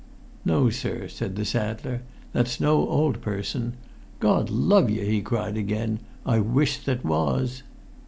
"No, sir," said the saddler; "that's no old person. Gord love yer," he cried again, "I wish that was!"